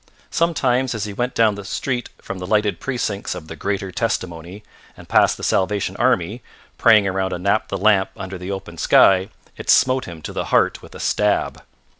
Sometimes as he went down the street from the lighted precincts of the Greater Testimony and passed the Salvation Army, praying around a naphtha lamp under the open sky, it smote him to the heart with a stab.